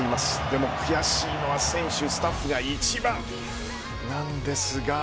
でも悔しいのは選手スタッフが一番なんですが。